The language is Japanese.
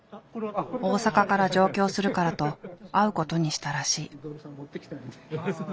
大阪から上京するからと会うことにしたらしい。